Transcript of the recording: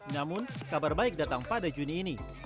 namun kabar baik datang pada juni ini